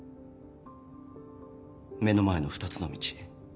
目の前の２つの道